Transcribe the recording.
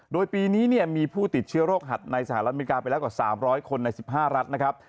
โดยปีนี้มีผู้ติดเชื้อโรคหัดในสหรัฐอเมริกาไปแล้วกว่า๓๐๐คนใน๑๕รัฐนะครับ